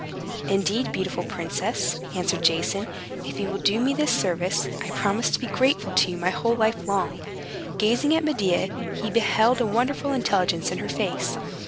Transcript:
"Indeed, beautiful princess," answered Jason, "if you will do me this service, I promise to be grateful to you my whole life long." Gazing at Medea, he beheld a wonderful intelligence in her face.